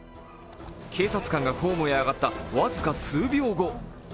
警察官がホームへ上がった僅か数秒後。